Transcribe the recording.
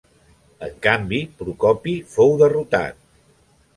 En canvi Procopi fou derrotat.